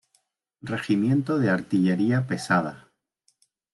Regimiento de Artillería pesada.